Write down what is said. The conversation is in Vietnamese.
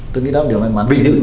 tôi nghĩ đó là một điều may mắn